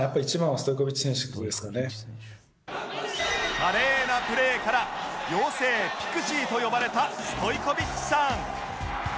華麗なプレーから妖精ピクシーと呼ばれたストイコビッチさん